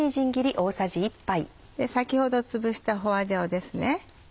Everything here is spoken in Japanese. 先ほどつぶした花椒ですね。